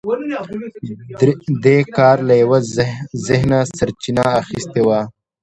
دې کار له یوه ذهنه سرچینه اخیستې وه